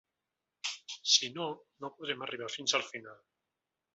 Si no, no podrem arribar fins al final.